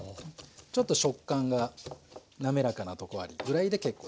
ちょっと食感が滑らかなとこありぐらいで結構です。